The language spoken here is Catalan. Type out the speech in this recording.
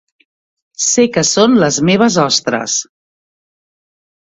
Sé que són les meves ostres.